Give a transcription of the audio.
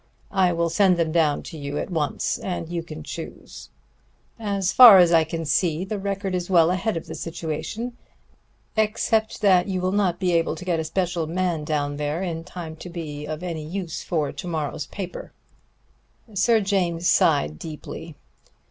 I will send them down to you at once, and you can choose. As far as I can see, the Record is well ahead of the situation, except that you will not be able to get a special man down there in time to be of any use for to morrow's paper." Sir James sighed deeply.